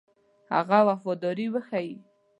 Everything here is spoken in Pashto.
هغه وفاداري وښيي.